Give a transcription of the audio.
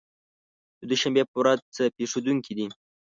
د دوشنبې په ورځ څه پېښېدونکي دي؟